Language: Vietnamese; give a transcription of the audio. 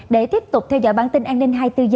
để tiếp tục theo dõi bản tin an ninh hai mươi bốn h